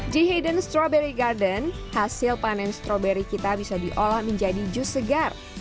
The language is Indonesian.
j hadden strawberry garden hasil panen stroberi kita bisa diolah menjadi jus segar